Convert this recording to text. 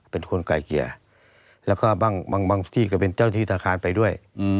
เป็นคนไกลเกลี่ยแล้วก็บางที่ก็เป็นเจ้าที่ธนาคารไปด้วย